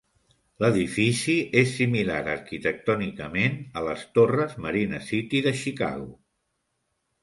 L'edifici és similar arquitectònicament a les torres Marina City de Chicago.